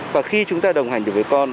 và khi chúng ta đồng hành được với con